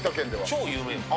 超有名。